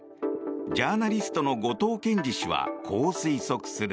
ジャーナリストの後藤謙次氏はこう推測する。